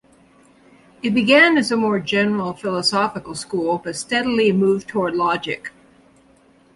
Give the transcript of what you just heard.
It began as a more general philosophical school but steadily moved toward logic.